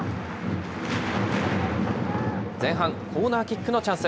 前半、コーナーキックのチャンス。